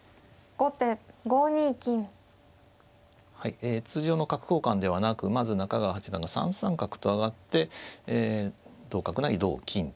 ええ通常の角交換ではなくまず中川八段が３三角と上がって同角成同金と。